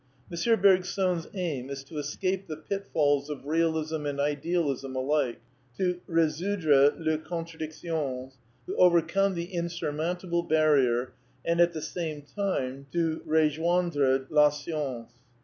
(Page 258). M. Bergson's aim is to escape the pitfalls of Realism and Idealism alike, to ^^resoudre les contradictions," to '^ f aire tomber 1' insurmontable barriere," and at the same time to " rejoindre la science."